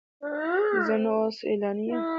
زه نو اوس سیلانی یم.